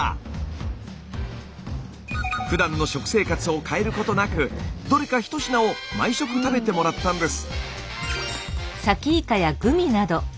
ふだんの食生活を変えることなくどれか１品を毎食食べてもらったんです。